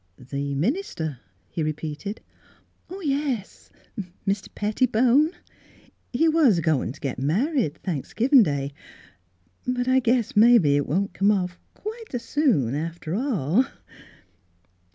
" "The minister?" he repeated. " Yes ; Mr. Pettibone. He was a goin' t' git married Thanksgivin' day. But I guess mebbe it won't come off quite s' soon after all."